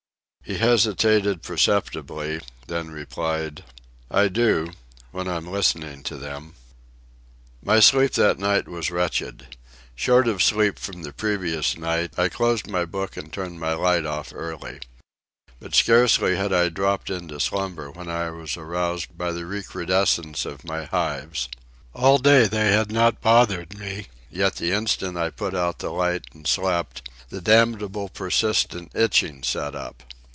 He hesitated perceptibly, then replied: "I do ... when I'm listening to them." My sleep that night was wretched. Short of sleep from the previous night, I closed my book and turned my light off early. But scarcely had I dropped into slumber when I was aroused by the recrudescence of my hives. All day they had not bothered me; yet the instant I put out the light and slept, the damnable persistent itching set up.